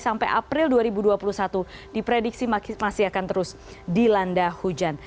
sampai april dua ribu dua puluh satu diprediksi masih akan terus dilanda hujan